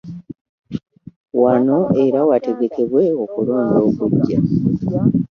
Wano era wategekebwe okulonda okuggya.